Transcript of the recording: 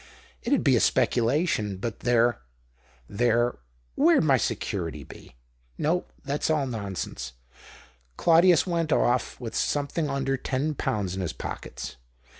It 'ud be a speculation. But there — there — where'd my security be ? No, that's all nonsense." Claudius went off with something under ten pounds in his pockets.